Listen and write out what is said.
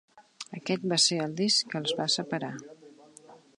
Aquest va ser el disc que els va separar.